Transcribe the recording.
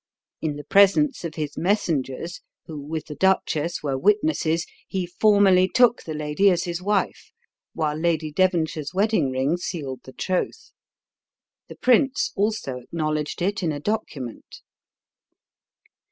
In the presence of his messengers, who, with the duchess, were witnesses, he formally took the lady as his wife, while Lady Devonshire's wedding ring sealed the troth. The prince also acknowledged it in a document.